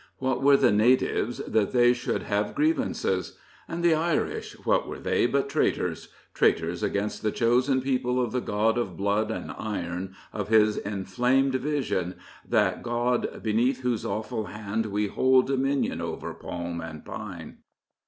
What were the natives that they should have griev ances ? And the Irish, what were they but traitors — traitors against the Chosen People of the God of blood and iron of his inflamed vision, that God Beneath Whose awful Hand we hold Dominion over palm and pine.